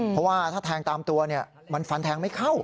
เพราะว่าถ้าแทงตามตัวมันฟันแทงไม่เข้า